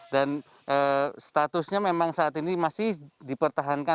dan statusnya memang saat ini masih dipertahankan